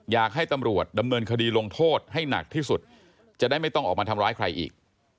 อยากให้ตำรวจดำเนินคดีลงโทษให้หนักที่สุดจะได้ไม่ต้องออกมาทำร้ายใครอีก